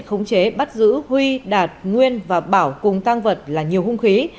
khống chế bắt giữ huy đạt nguyên và bảo cùng tăng vật là nhiều hung khí